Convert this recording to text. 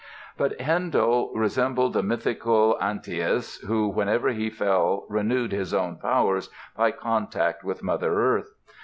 But Handel resembled the mythical Antaeus, who whenever he fell renewed his own powers by contact with Mother Earth.